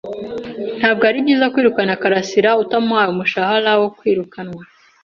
Ntabwo ari byiza kwirukana karasira utamuhaye umushahara wo kwirukanwa.